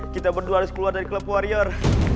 kita berdua harus keluar dari klub warrior